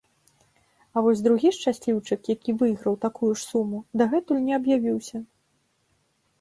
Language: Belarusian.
А вось другі шчасліўчык, які выйграў такую ж суму, дагэтуль не аб'явіўся.